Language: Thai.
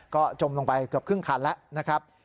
ก็จมลงไปเกือบครึ่งคันแล้วนะครับ